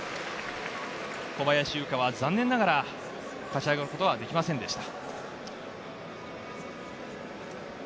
小林優香は残念ながら、勝ち上がることはできませんでした。